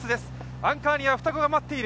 アンカーには双子が待っている。